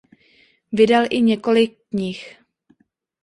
Vydal i několik knih.